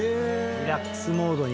リラックスモードになる。